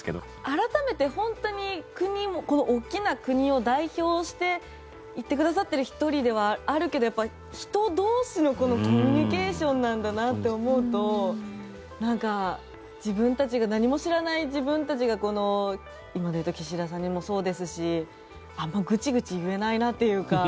改めて本当にこの大きな国を代表して行ってくださってる１人ではあるけど人同士のこのコミュニケーションなんだなと思うとなんか、自分たちが何も知らない自分たちが今でいうと岸田さんにもそうですしあんまグチグチ言えないなというか。